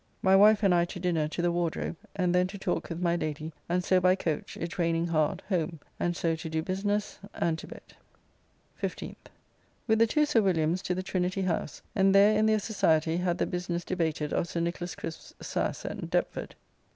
My wife and I to dinner to the Wardrobe, and then to talk with my Lady, and so by coach, it raining hard, home, and so to do business and to bed. 15th. With the two Sir Williams to the Trinity house; and there in their society had the business debated of Sir Nicholas Crisp's sasse at Deptford.